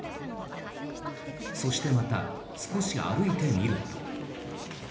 そしてまた少し歩いてみると。